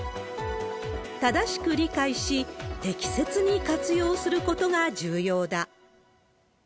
正しく理解し、適切に活用することが重要だ。